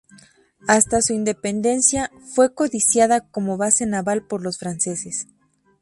Hasta su independencia, fue codiciada como base naval por los franceses.